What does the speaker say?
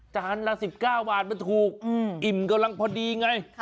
จานละ๑๙บาทมันถูกอิ่มกำลังพอดีไง